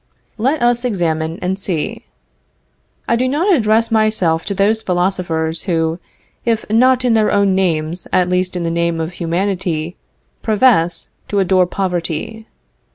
Let us examine and see. I do not address myself to those philosophers who, if not in their own names, at least in the name of humanity, profess to adore poverty.